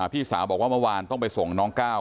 พี่สาวบอกว่าเมื่อวานต้องไปส่งน้องก้าว